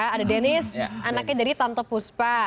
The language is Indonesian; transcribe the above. ada denis anaknya dari tante puspa